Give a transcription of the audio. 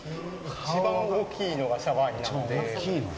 一番大きいのがシャバーニなので。